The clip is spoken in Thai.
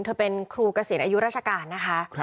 เธอเป็นครูเกษียณอายุราชการนะคะ